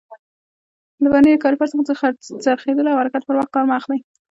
له ورنیر کالیپر څخه د څرخېدلو او حرکت پر وخت کار مه اخلئ.